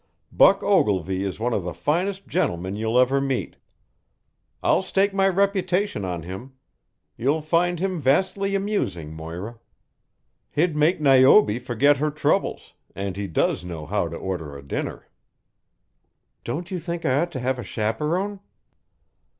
"Buck Ogilvy is one of the finest gentlemen you'll ever meet. I'll stake my reputation on him. You'll find him vastly amusing, Moira. He'd make Niobe forget her troubles, and he DOES know how to order a dinner." "Don't you think I ought to have a chaperon?"